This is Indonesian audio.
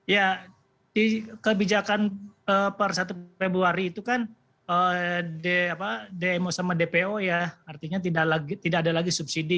ya di kebijakan per satu februari itu kan dmo sama dpo ya artinya tidak ada lagi subsidi